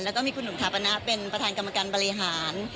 แล้วก็มีคุณหนุ่มถาปนะเป็นประธานกรรมการบริหาร